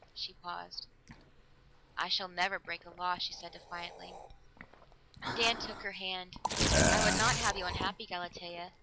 She paused. "I shall never break a law," she said defiantly. Dan took her hand. "I would not have you unhappy, Galatea.